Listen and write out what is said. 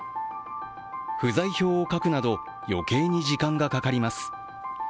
不在票を書くなど余計に時間がかかります。